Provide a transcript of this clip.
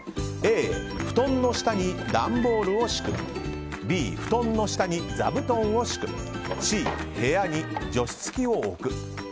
Ａ、布団の下に段ボールを敷くＢ、布団の下に座布団を敷くＣ、部屋に除湿機を置く。